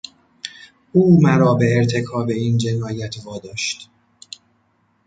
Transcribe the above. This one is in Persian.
او مرا به ارتکاب این جنایت واداشت.